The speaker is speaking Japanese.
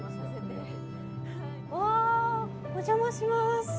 お邪魔します。